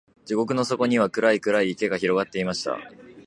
地獄の底には、暗い暗い池が広がっていました。